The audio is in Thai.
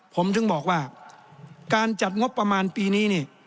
ผมถึงบอกว่าการจัดงบประมาณปีนี้นี่